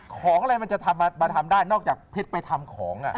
ของอะไรมันจะมาทำได้นอกจากเพชรไปทำของ